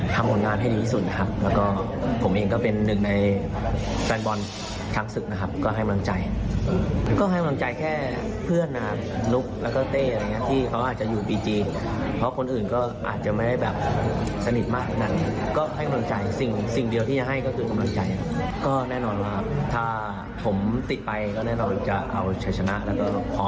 ถ้าผมติดไปก็แน่นอนจะเอาชนะแล้วก็พร้อมแน่นอนครับ